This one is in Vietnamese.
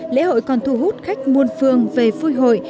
lễ hội còn thu hút khách muôn phương về vui hội